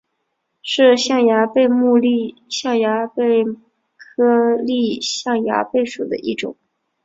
是象牙贝目丽象牙贝科丽象牙贝属的一种。